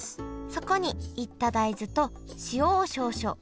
そこに煎った大豆と塩を少々。